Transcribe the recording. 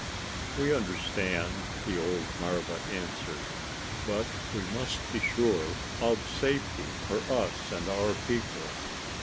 "We understand," the old marva answered. "But we must be sure of safety for us and our people.